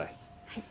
はい。